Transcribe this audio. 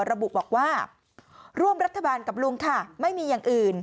ระบุบอกว่าร่วมรัฐบาลกับลุงค่ะไม่มีอย่างอื่น